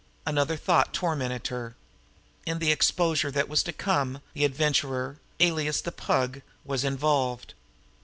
Another thought tormented her. In the exposure that was to come the Adventurer, alias the Pug, was involved.